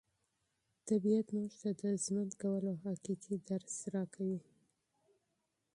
طبیعت موږ ته د ژوند کولو حقیقي درس راکوي.